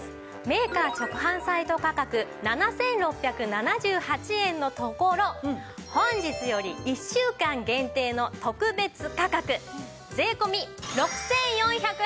メーカー直販サイト価格７６７８円のところ本日より１週間限定の特別価格税込６４８０円です。